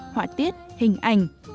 họa tiết hình ảnh